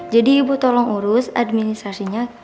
ibu tolong urus administrasinya